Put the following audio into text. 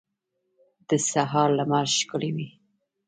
د سهار لمر ښکلی وي.